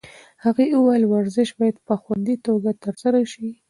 هغې وویل ورزش باید په خوندي توګه ترسره شي.